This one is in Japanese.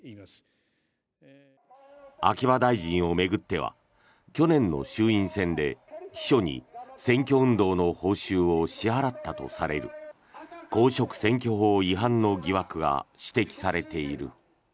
秋葉大臣を巡っては去年の衆院選で秘書に選挙運動の報酬を支払ったとされる公職選挙法違反の疑惑が指摘されている。